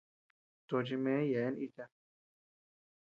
Tochi mee yeabean icha.